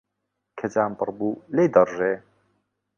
کە جام پڕ بوو، لێی دەڕژێ.